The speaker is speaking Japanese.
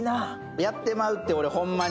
やってまうって、これホンマに。